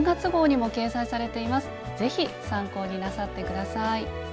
是非参考になさって下さい。